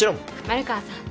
丸川さん。